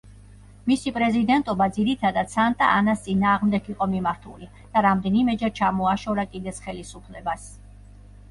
მისი პრეზიდენტობა ძირითადად სანტა-ანას წინააღმდეგ იყო მიმართული და რამდენიმეჯერ ჩამოაშორა კიდეც ხელისუფლებას.